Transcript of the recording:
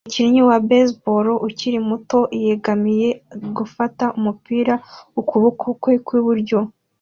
Umukinnyi wa baseball ukiri muto yegamiye gufata umupira ukuboko kwe kw'iburyo